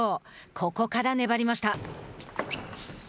ここから粘りました。